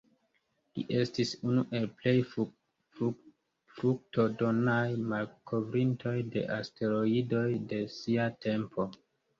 Li estis unu el plej fruktodonaj malkovrintoj de asteroidoj de sia tempo.